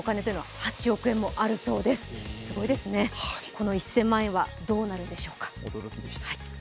この１０００万円はどうなるんでしょうか。